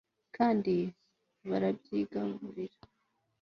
kandi barabyigarurira